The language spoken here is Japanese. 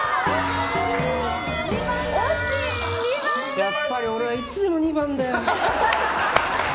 やっぱり俺はいつでも２番だよ。